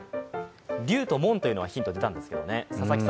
龍と門というのがヒント出たんですけどね。